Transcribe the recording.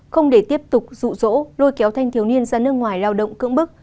không để tiếp tục rụ rỗ lôi kéo thanh thiếu niên ra nước ngoài lao động cưỡng bức